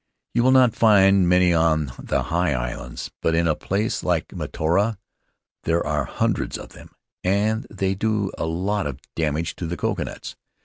You will not find many on the high islands ; but in a place like Mataora there are hundreds of them, and they do a lot of damage to the coconuts.